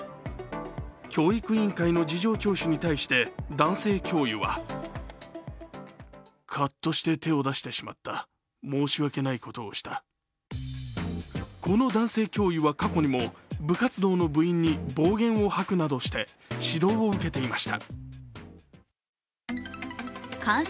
教育委員会の事情聴取に対して男性教諭はこの男性教諭は過去にも部活動の部員に暴言を吐くなどして指導を受けていました。